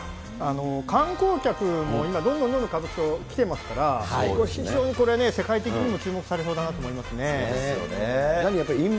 観光客も今、どんどんどんどん歌舞伎町、来てますから、非常にこれ、世界的にも注目されそうだなと思いますね。ですよね。